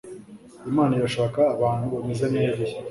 Imana irashaka abantu bameze nka Eliya